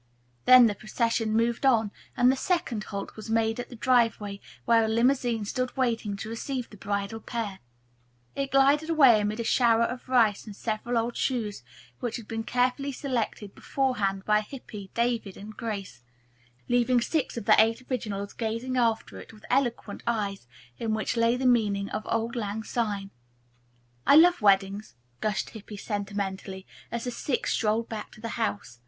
Then the procession moved on and the second halt was made at the drive where a limousine stood waiting to receive the bridal pair. It glided away amid a shower of rice and several old shoes, which had been carefully selected beforehand by Hippy, David and Grace, leaving six of the Eight Originals gazing after it with eloquent eyes in which lay the meaning of "Auld Lang Syne." "I love weddings," gushed Hippy sentimentally, as the six strolled back to the house.